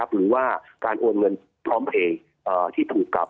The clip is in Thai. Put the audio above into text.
หรือว่าการโอนเงินพร้อมเพลงที่ถูกกลับ